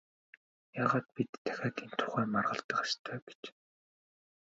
Яагаад бид дахиад энэ тухай маргалдах ёстой гэж?